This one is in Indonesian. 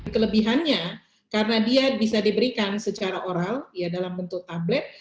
kelebihannya karena dia bisa diberikan secara oral dalam bentuk tablet